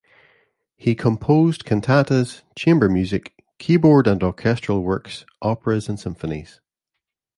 He composed cantatas, chamber music, keyboard and orchestral works, operas and symphonies.